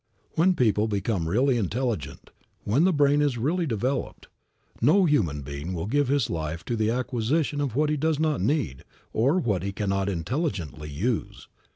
When people become really intelligent, when the brain is really developed, no human being will give his life to the acquisition of what he does not need or what he cannot intelligently use.